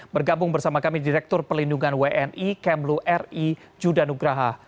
bergabung bersama kami direktur pelindungan wni kemlu ri judan nugraha